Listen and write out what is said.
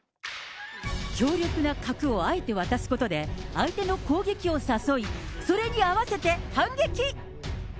強力な角をあえて渡すことで、相手の攻撃を誘い、それに合わせて反撃。